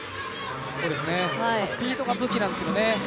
スピードが武器なんですけどね。